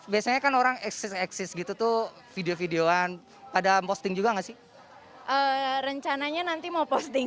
biasanya kan orang eksis eksis gitu tuh video video an pada posting juga enggak sih rencananya nanti mau posting